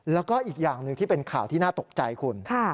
แล้วก็อีกอย่างหนึ่งที่เป็นข่าวที่น่าตกใจคุณ